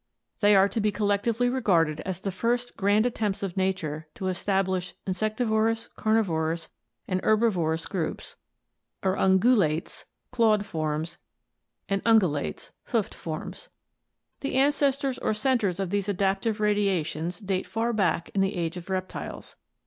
They are to be collectively regarded as the first grand attempts of nature to establish insectivorous, carnivorous, and herbivorous groups, or unguiculates [clawed forms] and ungulates [hoofed forms]. The ancestors or centers of these adaptive radia tions date far back in the Age of Reptiles.